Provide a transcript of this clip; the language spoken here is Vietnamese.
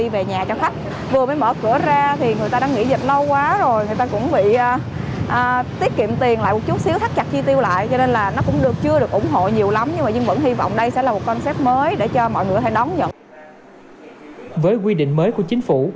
với quy định mới của chính phủ